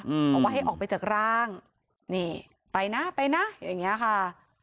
บอกว่าให้ออกไปจากร่างนี่ไปนะไปนะอย่างเงี้ยค่ะ